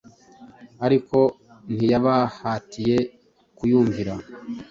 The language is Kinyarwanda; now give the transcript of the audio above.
ariko ntiyabahatiye kuyumvira.